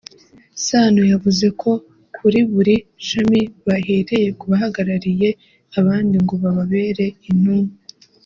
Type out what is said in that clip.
Sano yavuze ko kuri buri shami bahereye ku bahagarariye abandi ngo bababere intumwa